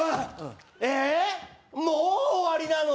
えっもう終わりなの？